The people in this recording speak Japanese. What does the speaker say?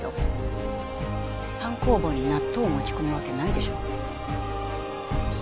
パン工房に納豆を持ち込むわけないでしょ。